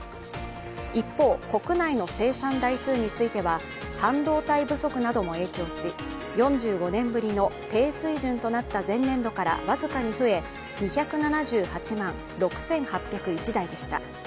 一方、国内の生産台数については半導体不足なども影響し、４５年ぶりの低水準となった前年度から僅かに増え２７８万６８０１台でした。